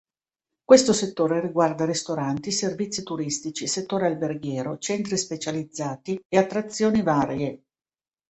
Questo settore riguarda ristoranti, servizi turistici, settore alberghiero, centri specializzati e attrazioni varie.